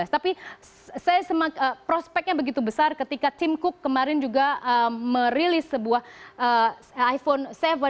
tapi saya prospeknya begitu besar ketika tim cook kemarin juga merilis sebuah iphone tujuh